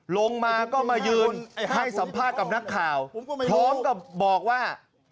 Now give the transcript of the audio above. ลงมาก็มายืนให้สัมภาษณ์กับนักข่าวพร้อมกับบอกว่า